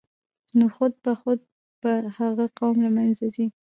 نو خود به خود به هغه قوم له منځه ځي.